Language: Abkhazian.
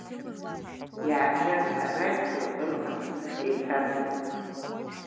Иааргаз арадио ырхынҳәны еиҭаргоит.